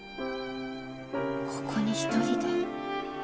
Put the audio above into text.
ここに１人で。